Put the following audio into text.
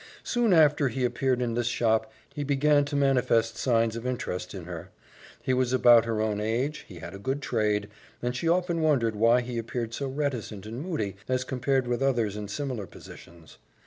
Soon after he appeared in this shop he began to manifest signs of interest in her He was about her own age, he had a good trade, and she often wondered why he appeared so reticent and moody, as compared with others in similar positions.